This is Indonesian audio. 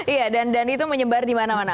iya dan itu menyebar di mana mana